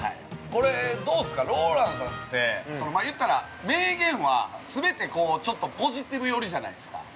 これどうですかＲＯＬＡＮＤさんって名言は、全てちょっとポジティブ寄りじゃないですか。